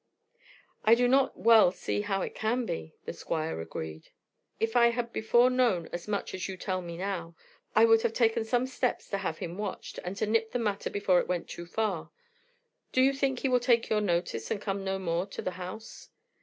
"I do not well see how it can be," the Squire agreed. "If I had before known as much as you tell me now, I would have taken some steps to have him watched, and to nip the matter before it went too far. Do you think that he will take your notice, and come no more to the house?"